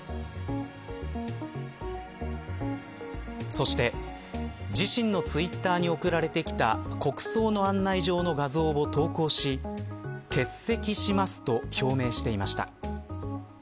そして、自身のツイッターに、送られてきた国葬の案内状の画像を投稿し欠席しますと表明していました。